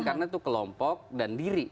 karena itu kelompok dan diri